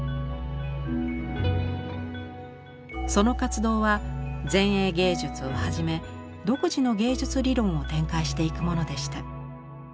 その活動は前衛芸術をはじめ独自の芸術理論を展開していくものでした。